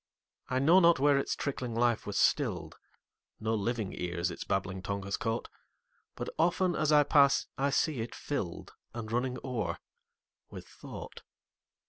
I know not where its trickling life was still'd; No living ears its babbling tongue has caught; But often, as I pass, I see it fill'dAnd running o'er with thought.